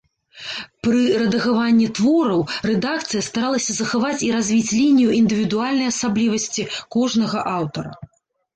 Пры рэдагаванні твораў рэдакцыя старалася захаваць і развіць лінію індывідуальнай асаблівасці кожнага аўтара.